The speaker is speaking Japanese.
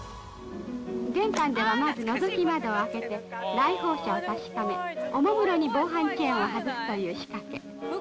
玄関ではまずのぞき窓を開けて、来訪者を確かめ、おもむろに防犯チェーンを外すという仕掛け。